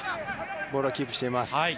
ボールはキープしています。